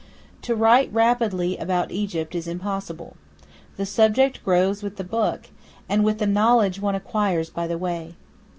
To write rapidly about Egypt is impossible. The subject grows with the book, and with the knowledge one acquires by the way.